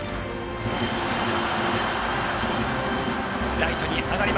ライトに上がります。